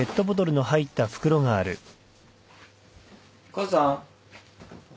母さん。